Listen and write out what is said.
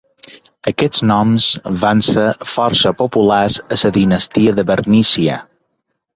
Aquests noms van ser força populars a la dinastia de Bernícia.